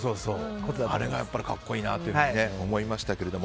あれが格好いいなと思いましたけれども。